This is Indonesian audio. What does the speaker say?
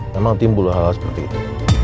memang timbul hal hal seperti itu